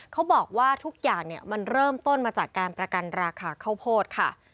เขาบอกว่าทุกอย่างมันเริ่มต้นมาจากการประกันราคาข้าวโพดค่ะ